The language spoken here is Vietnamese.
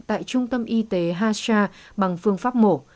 tại trung tâm y tế hasha bằng phương pháp mổ